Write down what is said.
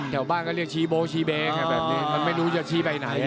แถวบ้านก็เรียกชี้โบ๊ชีเบไงแบบนี้มันไม่รู้จะชี้ไปไหน